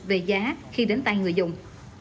về giá khi đến tay người dùng